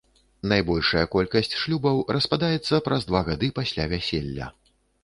Найбольшая колькасць шлюбаў распадаецца праз два гады пасля вяселля.